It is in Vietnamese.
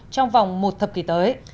trong vòng một thập kỷ tới